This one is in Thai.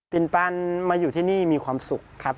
ปันมาอยู่ที่นี่มีความสุขครับ